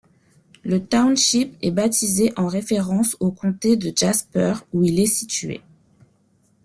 Le township est baptisé en référence au comté de Jasper, où il est situé.